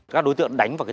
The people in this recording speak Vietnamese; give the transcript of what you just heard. các đối tượng đánh vào